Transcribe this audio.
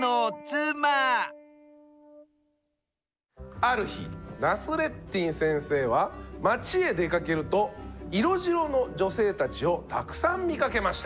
ある日ナスレッディン先生は町へ出かけると色白の女性たちをたくさん見かけました。